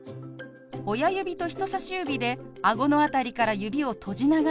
親指と人さし指であごの辺りから指を閉じながら動かします。